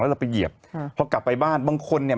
แล้วเราไปเหยียบค่ะพอกลับไปบ้านบางคนเนี่ย